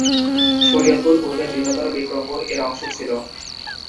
শরীয়তপুর পূর্বে বৃহত্তর বিক্রমপুর এর অংশ ছিল।